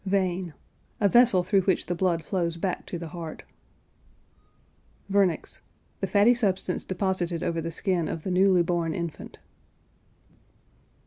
VEIN. A vessel through which the blood flows back to the heart. VERNIX. The fatty substance deposited over the skin of the newly born infant.